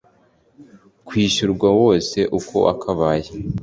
kwishyurwa wose uko wakabaye